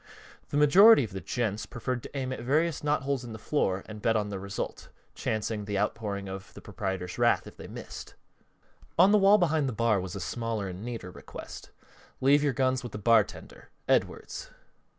The majority of the "gents" preferred to aim at various knotholes in the floor and bet on the result, chancing the outpouring of the proprietor's wrath if they missed. On the wall behind the bar was a smaller and neater request: "Leave your guns with the bartender. Edwards."